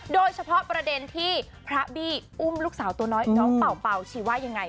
โดยเฉพาะประเด็นที่พระบี้อุ้มลูกสาวตัวน้อยน้องเป่าเป่าชีว่ายังไง